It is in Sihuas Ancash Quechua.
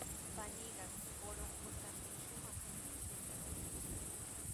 Paniiqa Corongotrawmi shumaq llikllata rantishqa.